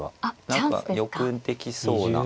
何かよくできそうな。